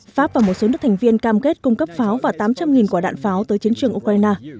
pháp và một số nước thành viên cam kết cung cấp pháo và tám trăm linh quả đạn pháo tới chiến trường ukraine